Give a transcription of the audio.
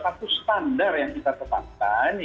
satu standar yang kita tetapkan